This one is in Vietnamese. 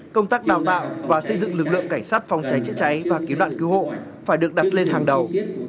công tác đào tạo và xây dựng lực lượng cảnh sát phòng cháy chữa cháy và cứu nạn cứu hộ phải được đặt lên hàng đầu